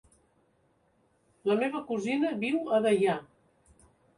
La meva cosina viu a Deià.